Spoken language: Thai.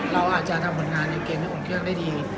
เราอาจจะทำบอร์นงานไอ้เกมที้อ่วมเครื่องได้ดี